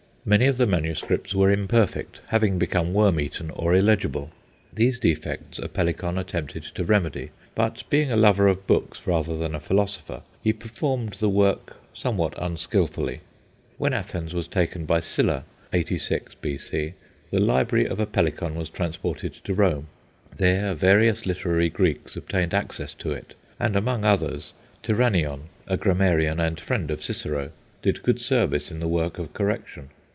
Many of the manuscripts were imperfect, having become worm eaten or illegible. These defects Apellicon attempted to remedy; but, being a lover of books rather than a philosopher, he performed the work somewhat unskilfully. When Athens was taken by Sylla, 86 B.C., the library of Apellicon was transported to Rome. There various literary Greeks obtained access to it; and, among others, Tyrannion, a grammarian and friend of Cicero, did good service in the work of correction.